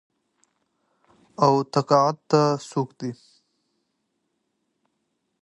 او تقاعد ته سوق دي